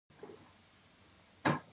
ښځه مينه ده